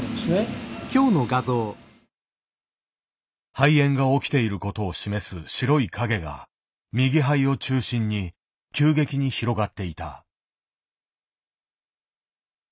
肺炎が起きていることを示す白い影が右肺を中心に急激に広がっていた。